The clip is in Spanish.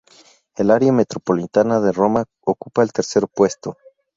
El área metropolitana de Roma ocupa el tercer puesto.